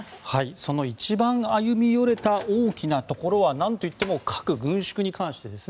その一番歩み寄れた大きなところはなんといっても核軍縮に関してです。